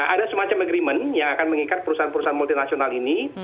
ada semacam agreement yang akan mengikat perusahaan perusahaan multinasional ini